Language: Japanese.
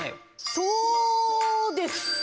そうです！